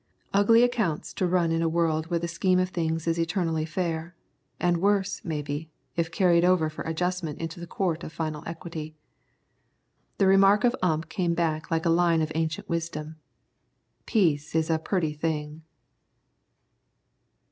Ugly accounts to run in a world where the scheme of things is eternally fair, and worse, maybe, if carried over for adjustment into the Court of Final Equity! The remark of Ump came back like a line of ancient wisdom, "Peace is a purty thing."